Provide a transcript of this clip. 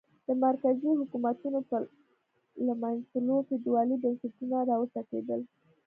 د مرکزي حکومتونو په له منځه تلو فیوډالي بنسټونه را وټوکېدل.